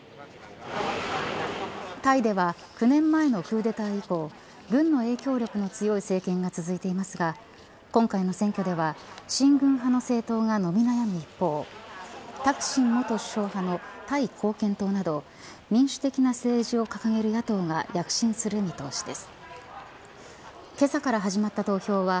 タイでは９年前のクーデター以降軍の影響力の強い政権が続いていますが今回の選挙では親軍派の政党が伸び悩む一方タクシン元首相派のタイ貢献党など民主的な政治を掲げる野党が躍進する見通しです。